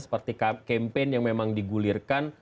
seperti campaign yang memang digulirkan